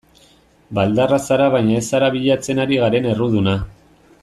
Baldarra zara baina ez zara bilatzen ari garen erruduna.